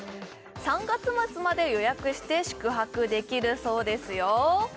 ３月末まで予約して宿泊できるそうですよ